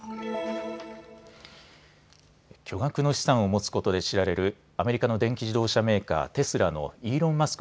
巨額の資産を持つことで知られるアメリカの電気自動車メーカー、テスラのイーロン・マスク